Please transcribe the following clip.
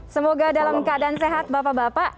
semoga dalam keadaan sehat bapak bapak